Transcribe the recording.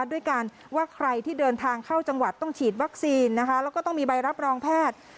ด้วยการว่าใครที่เดินทางเข้าจังหวัดต้องฉีดวัคซีนนะคะแล้วก็ต้องมีใบรับรองแพทย์